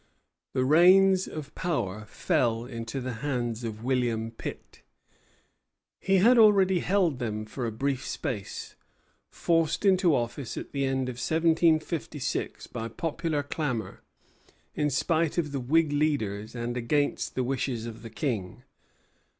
The reins of power fell into the hands of William Pitt. He had already held them for a brief space, forced into office at the end of 1756 by popular clamor, in spite of the Whig leaders and against the wishes of the King.